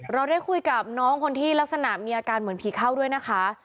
เราได้คุยกับน้องคนที่ลักษณะมีอาการเหมือนผีเข้าด้วยนะคะ